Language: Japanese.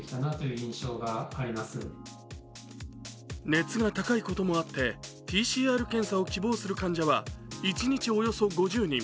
熱が高いこともあって、ＰＣＲ検査を希望する患者は一日およそ５０人。